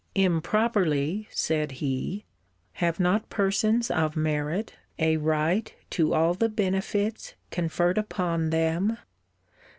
Improperly! said he. Have not persons of merit a right to all the benefits conferred upon them?